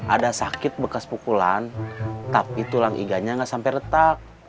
ada sakit bekas pukulan tapi tulang iganya nggak sampai retak